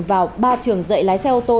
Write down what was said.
vào ba trường dạy lái xe ô tô